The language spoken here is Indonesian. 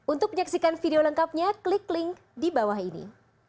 untuk menyaksikan video lengkapnya klik link di bawah ini